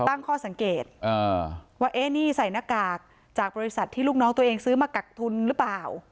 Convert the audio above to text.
ตั้งข้อสังเกตว่านี่ใส่หน้ากากจากบริษัทที่ลูกน้องตัวเองซื้อมากักทุนหรือเปล่า